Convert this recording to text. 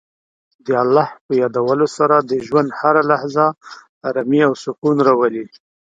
د الله په یادولو سره د ژوند هره لحظه ارامۍ او سکون راولي.